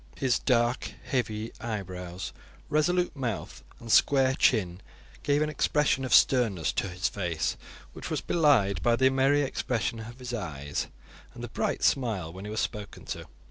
His dark, heavy eyebrows, resolute mouth, and square chin gave an expression of sternness to his face, which was belied by the merry expression of his eyes and the bright smile when he was spoken to.